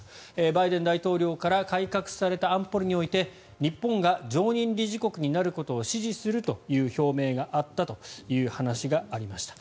バイデン大統領から改革された安保理において日本が常任理事国になることを支持するという表明があったという話がありました。